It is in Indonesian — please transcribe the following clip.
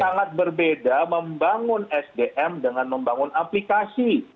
sangat berbeda membangun sdm dengan membangun aplikasi